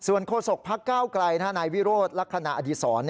ส่วนโฆษกภักดิ์ก้าวไกลน้านายวิโรธลักษณะอดีศร